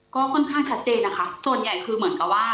ก็ค่อนข้างชัดเจนนะคะส่วนใหญ่คือเหมือนกับว่า